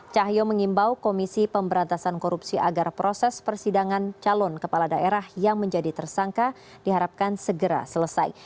cahyo mengimbau komisi pemberantasan korupsi agar proses persidangan calon kepala daerah yang menjadi tersangka diharapkan segera selesai